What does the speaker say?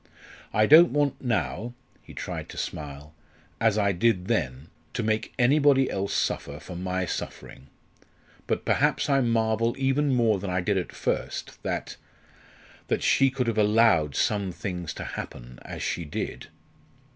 I don't want now" he tried to smile "as I did then, to make anybody else suffer for my suffering. But perhaps I marvel even more than I did at first, that that she could have allowed some things to happen as she did!"